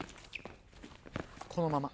このまま。